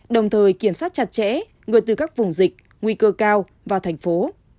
đồng thời kiểm soát chặt chẽ người từ các vùng dịch nguy cơ cao vào thành phố